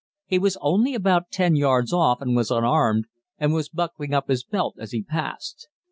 He was only about 10 yards off and was unarmed, and was buckling up his belt as he passed.